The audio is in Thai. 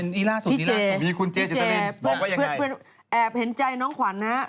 พี่เจพี่เจแอบเห็นใจน้องขวัญนะฮะ